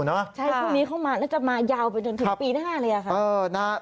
ใช่พรุ่งนี้เข้ามาแล้วจะมายาวไปจนถึงปีหน้าเลยค่ะ